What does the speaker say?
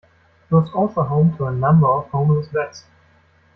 It was also home to a number of homeless Vets.